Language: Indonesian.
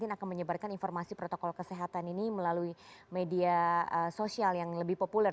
akan menyebarkan informasi protokol kesehatan ini melalui media sosial yang lebih populer